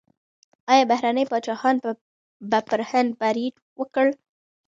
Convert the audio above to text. ایا بهرني پاچاهان به پر هند برید وکړي؟